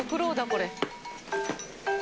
これ。